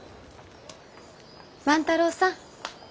万太郎さん。